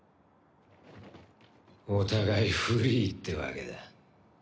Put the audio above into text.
お互いフリーってわけだ。